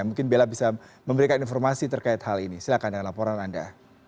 mungkin bella bisa memberikan informasi terkait hal ini silahkan dengan laporan anda